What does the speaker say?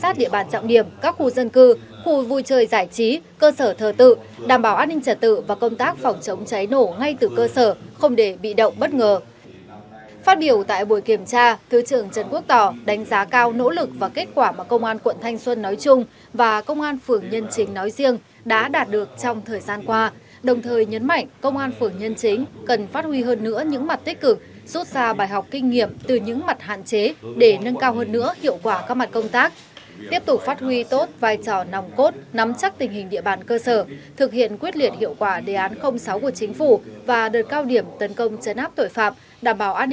tại buổi kiểm tra thứ trưởng trần quốc tỏ đánh giá cao nỗ lực và kết quả mà công an quận thanh xuân nói chung và công an phưởng nhân chính nói riêng đã đạt được trong thời gian qua đồng thời nhấn mạnh công an phưởng nhân chính cần phát huy hơn nữa những mặt tích cực rút ra bài học kinh nghiệm từ những mặt hạn chế để nâng cao hơn nữa hiệu quả các mặt công tác tiếp tục phát huy tốt vai trò nòng cốt nắm chắc tình hình địa bàn cơ sở thực hiện quyết liệt hiệu quả đề án sáu của chính phủ và đợt cao điểm tấn công chấn áp tội phạm đảm bảo an